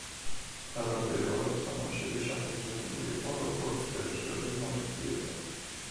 თავდაპირველად თამაშები ჩაფიქრებული იყო როგორც ერთჯერადი ღონისძიება.